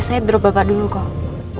saya drop bapak dulu kok